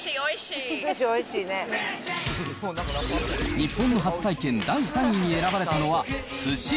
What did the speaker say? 日本の初体験第３位に選ばれたのは、すし。